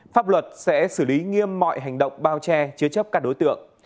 pháp luật sẽ xử lý nghiêm mọi hành động bao che chứa chấp các đối tượng